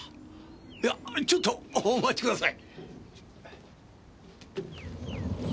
いやあっちょっとお待ちください！